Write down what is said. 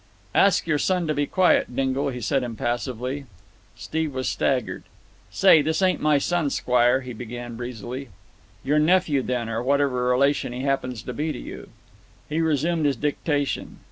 "Ask your son to be quiet, Dingle," he said impassively. Steve was staggered. "Say, this ain't my son, squire," he began breezily. "Your nephew, then, or whatever relation he happens to be to you." He resumed his dictation.